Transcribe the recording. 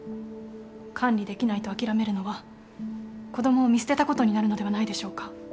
管理できないと諦めるのは子供を見捨てたことになるのではないでしょうか。